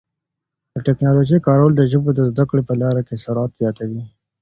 د ټکنالوژۍ کارول د ژبو د زده کړې په لاره کي سرعت زیاتوي.